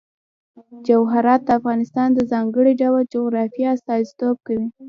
جواهرات د افغانستان د ځانګړي ډول جغرافیه استازیتوب کوي.